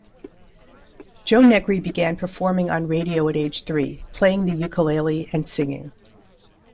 Joe Negri began performing on radio at age three, playing the ukulele and singing.